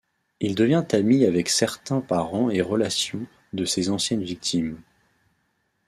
Il devient ami avec certains parents et relations de ses anciennes victimes...